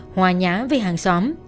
hòa nhã với hàng xóm